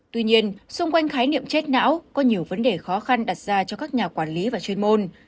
tuy nhiên xung quanh khái niệm chết não có nhiều vấn đề khó khăn đặt ra cho các nhà quản lý và chuyên môn